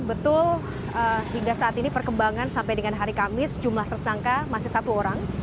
betul hingga saat ini perkembangan sampai dengan hari kamis jumlah tersangka masih satu orang